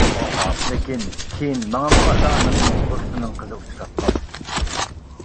لېكىن كېيىن ماڭىمۇ ئاتا-ئانامنىڭ دوستىنىڭ قىزى ئۇچراپ قالدى.